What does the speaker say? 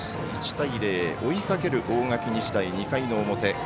１対０、追いかける大垣日大２回の表。